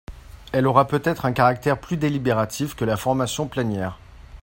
Elle aura peut-être un caractère plus délibératif que la formation plénière.